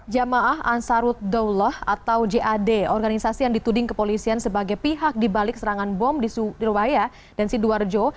jamaah ansarut daulah atau jad organisasi yang dituding kepolisian sebagai pihak dibalik serangan bom di surabaya dan sidoarjo